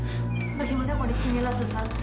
susar bagaimana kondisi mila susar